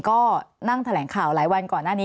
ก็นั่งแถลงข่าวหลายวันก่อนหน้านี้